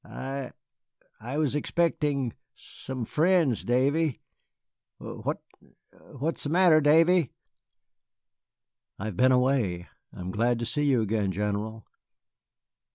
"I I was expecting some friends Davy. What what's the matter, Davy?" "I have been away. I am glad to see you again, General."